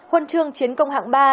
huân thương chiến công hạng ba